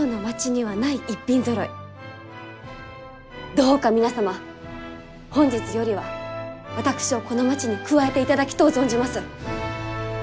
どうか皆様本日よりは私をこの町に加えていただきとう存じます。